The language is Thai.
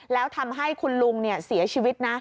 แล้วทำให้คุณลุงเสียชีวิตนะ